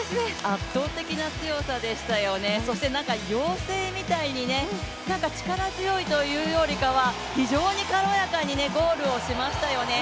圧倒的な強さでしたよね、何か妖精みたいに力強いというよりかは、非常に軽やかにゴールしましたよね。